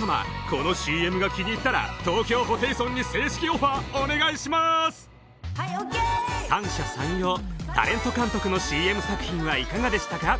このＣＭが気に入ったら東京ホテイソンに正式オファーお願いしまーす三者三様タレント監督のＣＭ作品はいかがでしたか？